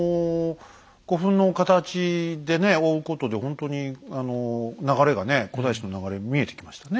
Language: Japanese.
古墳の形でね追うことでほんとに流れがね古代史の流れ見えてきましたね。